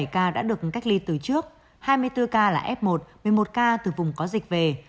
một mươi ca đã được cách ly từ trước hai mươi bốn ca là f một một mươi một ca từ vùng có dịch về